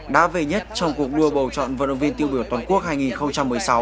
đã về nhất trong cuộc đua bầu chọn vận động viên tiêu biểu toàn quốc hai nghìn một mươi sáu